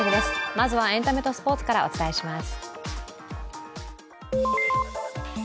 まずはエンタメとスポーツからお伝えします。